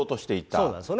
そうなんですよね。